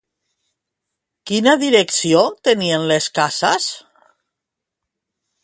Quina direcció tenien les cases?